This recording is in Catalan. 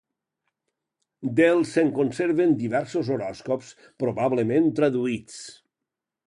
Del se'n conserven diversos horòscops, probablement traduïts.